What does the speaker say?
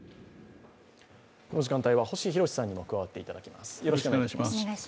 この時間帯は星浩さんにも加わっていただきます。